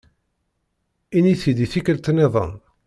Ini-t-id i tikkelt-nniḍen.